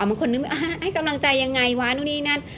บางคนนึกว่าให้กำลังใจยังไงวะนู่นนี่นั่น